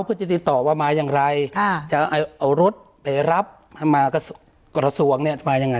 เพื่อจะติดต่อว่ามาอย่างไรจะเอารถไปรับมากระทรวงเนี่ยมายังไง